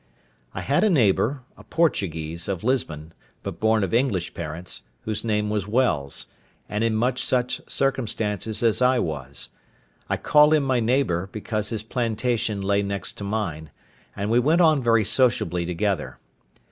I had a neighbour, a Portuguese, of Lisbon, but born of English parents, whose name was Wells, and in much such circumstances as I was. I call him my neighbour, because his plantation lay next to mine, and we went on very sociably together.